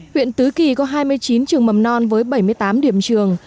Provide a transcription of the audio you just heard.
huyện tứ kỳ có hai mươi chín trường mầm non với bảy mươi tám điểm trường